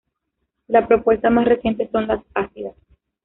La propuesta más reciente son Las Ácidas.